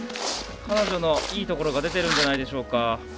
彼女のいいところが出てるんじゃないでしょうか。